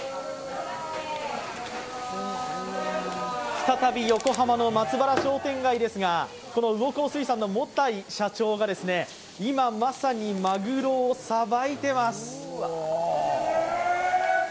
再び横浜の松原商店街ですが、この魚幸水産の社長が今、まさにまぐろをさばいています。